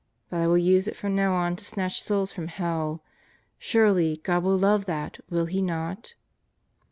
But I will use it from now on to snatch souls from hell. Surely, God will love that, will He not?